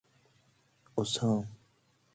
عصام